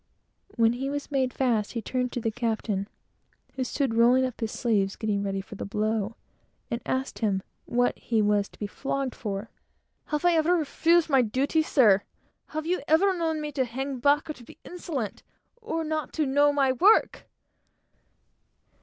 When he was made fast, he turned to the captain, who stood turning up his sleeves and getting ready for the blow, and asked him what he was to be flogged for. "Have I ever refused my duty, sir? Have you ever known me to hang back, or to be insolent, or not to know my work?"